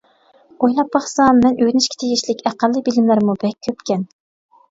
ئويلاپ باقسام مەن ئۆگىنىشكە تېگىشلىك ئەقەللىي بىلىملەرمۇ بەك كۆپكەن.